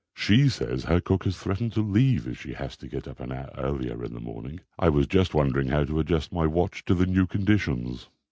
She says her cook has threatened to leave if she has to get up an hour earlier in the morning. I was just wondering how to adjust my watch to the new conditions."